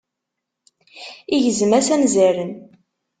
Igezm-as anzaren.